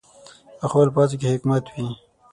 پخو الفاظو کې حکمت وي